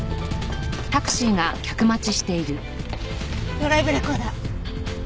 ドライブレコーダー。